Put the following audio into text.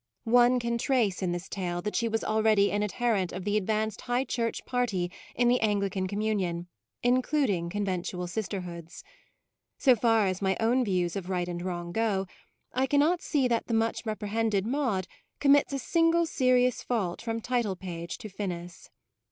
One can trace in this tale that PREFATORY NOTE she was already an adherent of the advanced High Church party in the Anglican communion, including con ventual sisterhoods. So far as my own views of right and wrong go, I cannot see that the much reprehended Maude commits a single serious fault from title page to finis.